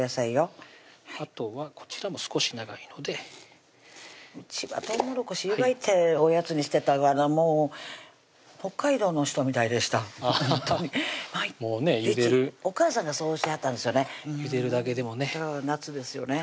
あとはこちらも少し長いのでうちはとうもろこし湯がいておやつにしてたからもう北海道の人みたいでしたほんとに毎日おかあさんがそうしてはったんですよねゆでるだけでもね夏ですよね